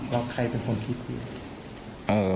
แล้วใครเป็นคนคิดดี